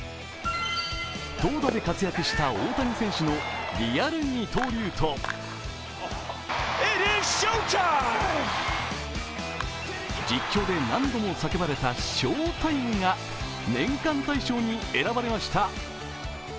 投打で活躍した大谷選手のリアル二刀流と実況で何度も叫ばれたショータイムが年間大賞に選ばれました。